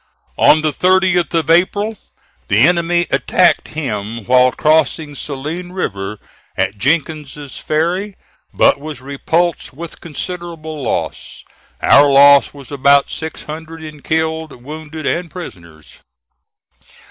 On the 30th of April, the enemy attacked him while crossing Saline River at Jenkins's Ferry, but was repulsed with considerable loss. Our loss was about six hundred in killed, wounded and prisoners.